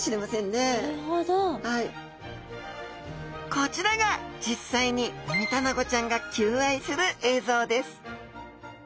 こちらが実際にウミタナゴちゃんが求愛する映像です。